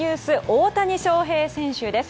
大谷翔平選手です。